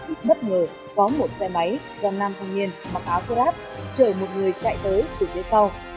ít bất ngờ có một xe máy găm nam thông nhiên mặc áo khô rác trời một người chạy tới từ phía sau